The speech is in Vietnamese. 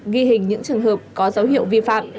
ghi hình những trường hợp có dấu hiệu vi phạm